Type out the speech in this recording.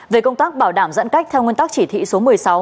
về công tác bảo đảm giãn cách theo nguyên tắc chỉ thị số một mươi sáu